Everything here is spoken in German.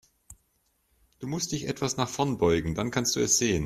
Du musst dich etwas nach vorn beugen, dann kannst du es sehen.